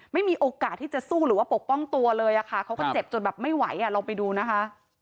ไม่มีโอกาสที่จะสู้หรือว่าปกป้องตัวเลยอะค่ะเขาก็เจ็บจนแบบไม่ไหวอ่ะลองไปดูนะคะ